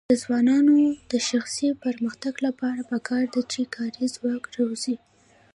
د ځوانانو د شخصي پرمختګ لپاره پکار ده چې کاري ځواک روزي.